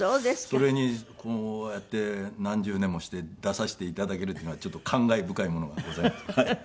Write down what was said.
それにこうやって何十年もして出させて頂けるっていうのはちょっと感慨深いものがございます。